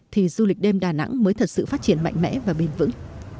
thì du lịch đêm đà nẵng mới thật sự phát triển mạnh mẽ và bền vững